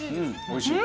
おいしい？